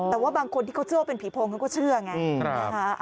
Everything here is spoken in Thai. แต่ว่าบางคนที่เขาเชื่อว่าเป็นผีพงก็เชื่อกัน